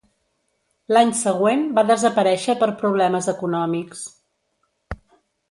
L'any següent va desaparèixer per problemes econòmics.